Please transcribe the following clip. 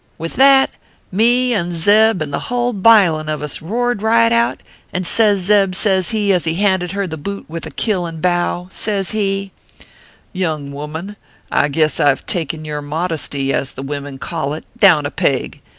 With that, me, and Zeb, and the hull bilin of us roared right out ; and says Zeb, says he, as he handed her the bute with a killin bow says he :" c Young woman, I guess I ve taken your modesty, as the wimmen call it, down a peg.